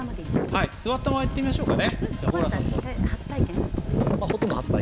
座ったまま、いってみましょうか。